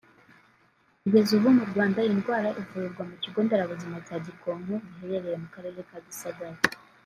Kugeza ubu mu Rwanda iyi ndwara ivurirwa mu kigo nderabuzima cya Gikonko giherereye mu Karere ka Gisagara